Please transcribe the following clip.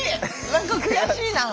何か悔しいな。